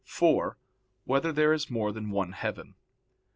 (4) Whether there is more than one heaven?